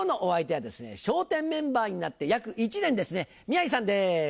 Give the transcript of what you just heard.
笑点メンバーになって約１年ですね宮治さんです。